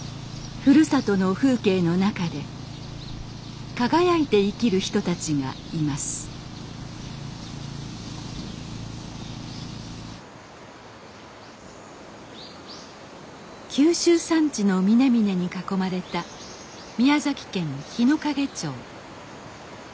ふるさとの風景の中で輝いて生きる人たちがいます九州山地の峰々に囲まれた宮崎県日之影町。